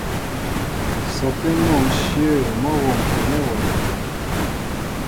Sɔkɛ́ mɔ ǹshyə̂ mɔ́ a wômpɛ nɛ́ wɔ nɛ̂.